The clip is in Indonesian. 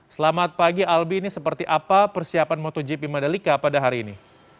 selamat pagi albi ini seperti apa persiapan motogp madalika pada hari ini